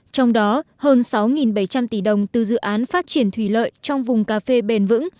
trong đó hơn sáu bảy trăm linh tỷ đồng từ dự án phát triển thủy lợi trong vùng cà phê bền vững